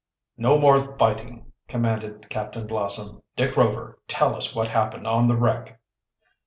"No more fighting," commanded Captain Blossom. "Dick Rover, tell us what happened on the wreck."